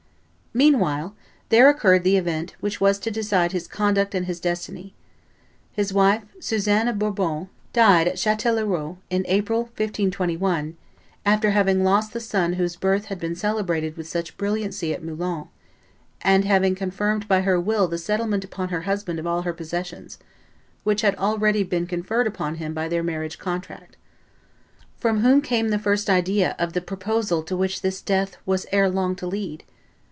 Meanwhile there occurred the event which was to decide his conduct and his destiny. His wife, Suzanne of Bourbon, died at Chatellerault, in April, 1521, after having lost the son whose birth had been celebrated with such brilliancy at Moulins, and having confirmed by her will the settlement upon her husband of all her possessions, which had already been conferred upon him by their marriage contract. From whom came the first idea of the proposal to which this death was ere long to lead?